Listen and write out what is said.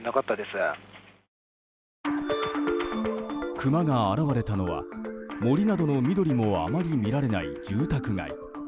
クマが現れたのは森などの緑もあまり見られない住宅街。